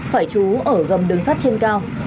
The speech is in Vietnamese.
phải trú ở gầm đường sát trên cao